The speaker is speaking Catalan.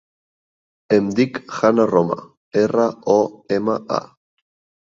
Em dic Hannah Roma: erra, o, ema, a.